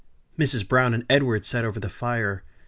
Mrs. Browne and Edward sat over the fire.